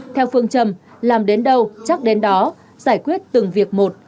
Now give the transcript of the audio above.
theo phương trầm làm đến đâu chắc đến đó giải quyết từng việc một